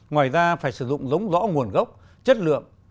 ngoài ra phải sử dụng giống rõ nguồn gốc chất lượng